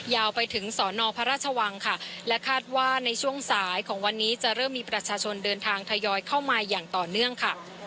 ยาวไปถึงสอนอพระราชวังค่ะและคาดว่าในช่วงสายของวันนี้จะเริ่มมีประชาชนเดินทางทยอยเข้ามาอย่างต่อเนื่องค่ะ